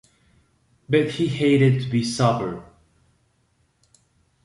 But he hated to be sober.